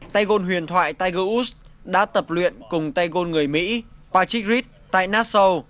tay gôn huyền thoại tiger woods đã tập luyện cùng tay gôn người mỹ patrick reed tại nassau